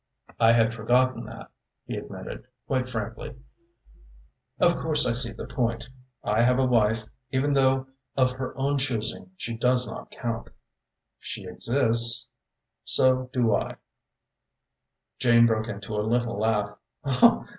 "I had forgotten that," he admitted, quite frankly. "Of course, I see the point. I have a wife, even though of her own choosing she does not count." "She exists." "So do I." Jane broke into a little laugh.